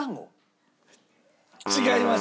違います。